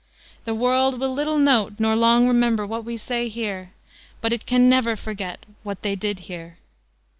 The world will little note nor long remember what we say here, but it can never forget what they did here.